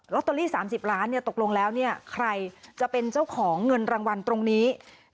ตเตอรี่๓๐ล้านตกลงแล้วใครจะเป็นเจ้าของเงินรางวัลตรงนี้